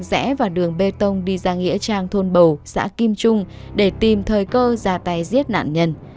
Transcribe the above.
rẽ vào đường bê tông đi ra nghĩa trang thôn bầu xã kim trung để tìm thời cơ ra tay giết nạn nhân